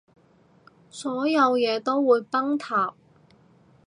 所有嘢都會崩塌